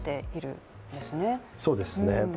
そうですね。